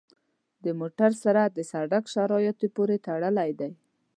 د موټر سرعت د سړک شرایطو پورې تړلی دی.